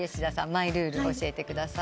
マイルール教えてください。